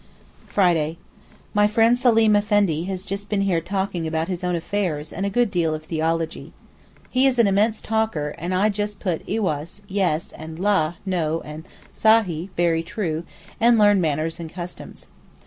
Friday.—My friend Seleem Effendi has just been here talking about his own affairs and a good deal of theology. He is an immense talker, and I just put eywas (yes) and là (no) and sahé (very true), and learn manners and customs.